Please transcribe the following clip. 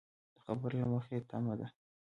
د خبر له مخې تمه ده